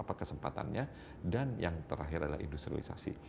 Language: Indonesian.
apa kesempatannya dan yang terakhir adalah industrialisasi